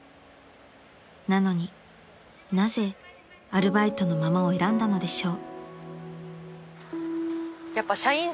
［なのになぜアルバイトのままを選んだのでしょう？］